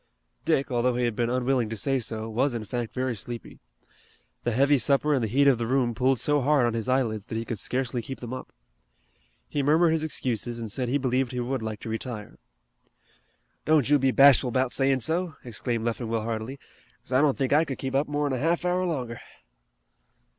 Dick, although he had been unwilling to say so, was in fact very sleepy. The heavy supper and the heat of the room pulled so hard on his eyelids that he could scarcely keep them up. He murmured his excuses and said he believed he would like to retire. "Don't you be bashful about sayin' so," exclaimed Leffingwell heartily, "'cause I don't think I could keep up more'n a half hour longer."